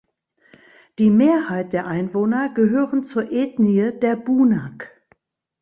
Die Mehrheit der Einwohner gehören zur Ethnie der Bunak.